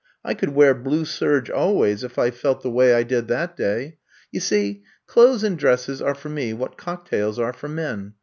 I could wear blue serge always if I felt the 104 I'VE COMB TO STAY way I did that day. You see, clothes and dresses are for me what cocktails are for men.